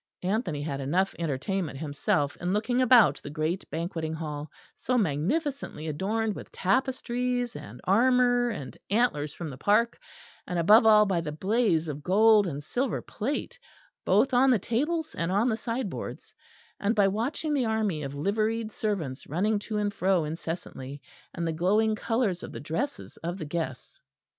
Anthony had enough entertainment himself in looking about the great banqueting hall, so magnificently adorned with tapestries and armour and antlers from the park; and above all by the blaze of gold and silver plate both on the tables and on the sideboards; and by watching the army of liveried servants running to and fro incessantly; and the glowing colours of the dresses of the guests.